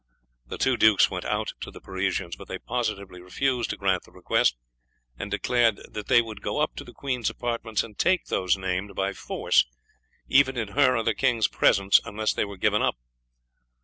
The two dukes went out to the Parisians, but they positively refused to grant the request, and declared that they would go up to the queen's apartments and take those named by force, even in her or the king's presence, unless they were given up.